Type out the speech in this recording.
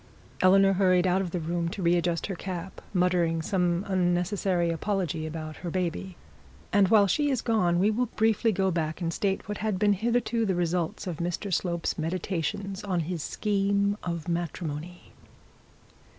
Eleanor hurried out of the room to re adjust her cap, muttering some unnecessary apology about her baby. And while she was gone, we will briefly go back and state what had been hitherto the results of Mr Slope's meditations on his scheme of matrimony.